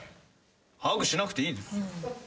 ハグしなくていいです。